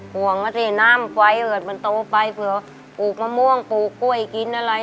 ห่วงนะสิน้ำไฟเกิดมันโตไปเผื่อปลูกมะม่วงปลูกกล้วยกินอะไร